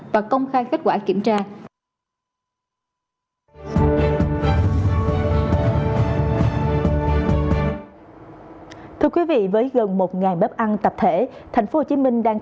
và công khai kết quả kiểm tra thưa quý vị với gần một bếp ăn tập thể thành phố hồ chí minh đang